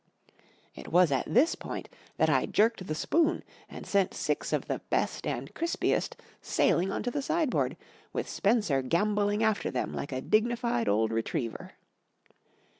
It was at this point that 1 jerked the spoon and sent six of the best and crisj>est sidling on to the sideboard, with Spenser gamboiling after Xh pm like a dignified old retriever.